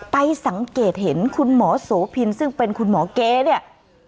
ไปสังเกตเห็นคุณหมอโสพินซึ่งเป็นคุณหมอเก๊เนี่ย